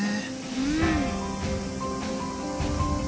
うん。